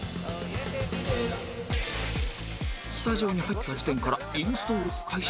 スタジオに入った時点からインストール開始